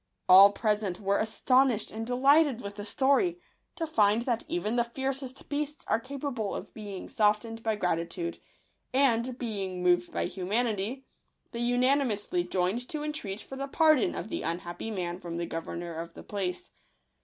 All present were astonished and delighted with the story, to find that even the fiercest beasts are capable of being softened by gratitude ; and, being moved by humanity, they unanimously joined to entreat for the pardon of the unhappy man from the governor of the place.